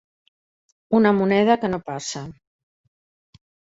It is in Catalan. Una moneda que no passa.